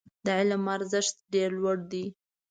د علم ارزښت ډېر لوړ دی.